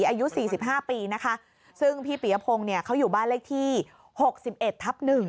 อายุ๔๕ปีนะคะซึ่งพี่ปียพงศ์เนี่ยเขาอยู่บ้านเลขที่๖๑ทับ๑